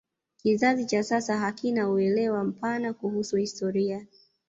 kizazi cha sasa hakina uelewa mpana kuhusu historia